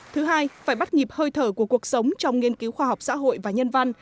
thứ hai phải bắt nhịp hơi thở của cuộc sống trong nghiên cứu khoa học xã hội và nhân văn